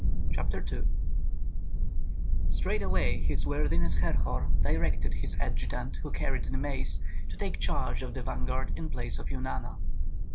CHAPTER II Straightway his worthiness Herhor directed his adjutant who carried the mace to take charge of the vanguard in place of Eunana.